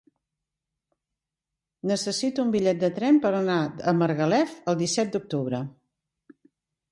Necessito un bitllet de tren per anar a Margalef el disset d'octubre.